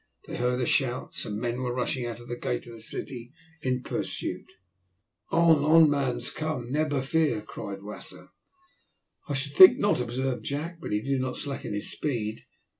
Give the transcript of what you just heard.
They heard a shout; some men were rushing out of the gate of the city in pursuit. "On, on mans come neber fear," cried Wasser. "I should think not," observed Jack, but he did not slacken his speed.